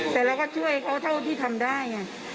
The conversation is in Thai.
แต่เราก็ช่วยเขาเท่าที่ทำได้ไง